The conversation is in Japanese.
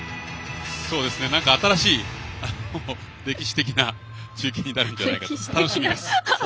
新しい歴史的な中継になるんじゃないかと楽しみです。